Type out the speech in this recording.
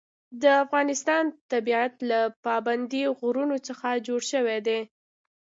د افغانستان طبیعت له پابندی غرونه څخه جوړ شوی دی.